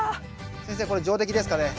先生これ上出来ですかね。